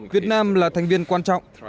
việt nam là thành viên quan trọng